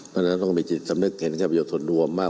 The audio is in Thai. เพราะฉะนั้นต้องมีจิตสำนึกเห็นความยุทธศนรวมมาก